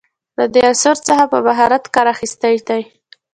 له دې عنصر څخه په مهارت کار اخیستی دی.